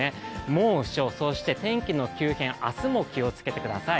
猛暑、そして天気の急変明日も気をつけてください。